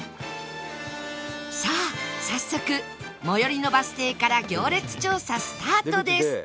さあ早速最寄りのバス停から行列調査スタートです